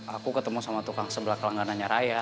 aku ketemu sama tukang sebelah kelangganannya raya